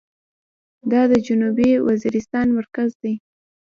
دا د جنوبي وزيرستان مرکز دى.